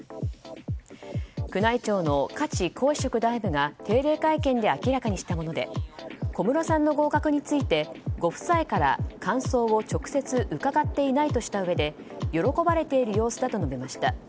宮内庁の加地皇嗣職大夫が定例会見で明らかにしたもので小室さんの合格についてご夫妻から感想を直接伺っていないとしたうえで喜ばれている様子だと述べました。